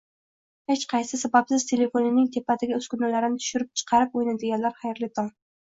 Hech qanday sababsiz telefonining tepadagi uskunalarini tushirib chiqarib o'ynaydiganlar, xayrli tong!